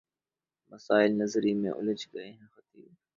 مسائل نظری میں الجھ گیا ہے خطیب